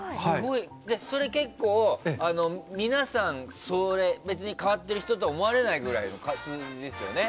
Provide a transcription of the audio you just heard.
それ結構、皆さん別に変わってるとは思われない数字ですよね。